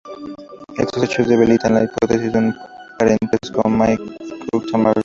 Estos hechos debilitan la hipótesis de un parentesco May-Kwomtari.